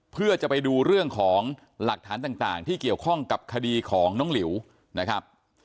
เพื่อจะไปดูเรื่องของหลักฐานต่างที่เกี่ยวข้องกับคดีของน้องหลิวนะครับ